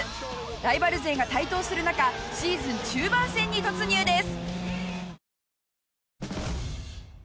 ライバル勢が台頭する中シーズン中盤戦に突入です。